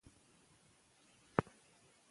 زده کړې نجونې چارې اسانه کوي.